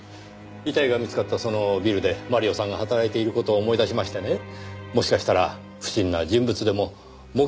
遺体が見つかったそのビルでマリオさんが働いている事を思い出しましてねもしかしたら不審な人物でも目撃してはいないかと。